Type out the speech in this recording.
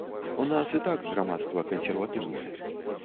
У нас і так грамадства кансерватыўнае.